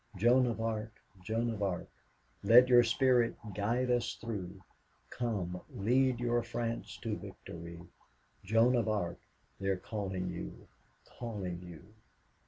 Joan of Arc, Joan of Arc, Let your spirit guide us through, Come, lead your France to victory. Joan of Arc, they are calling you, calling you."